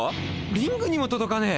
⁉リングにも届かねえ！